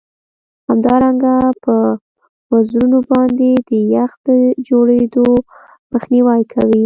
همدارنګه په وزرونو باندې د یخ د جوړیدو مخنیوی کوي